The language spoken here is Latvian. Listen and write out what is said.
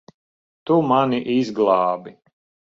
Tu mani izglābi.